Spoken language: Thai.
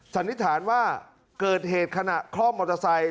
แต่ปฏิฐานว่าเกิดเหตุขนาดคลอมมอเตอร์ไซค์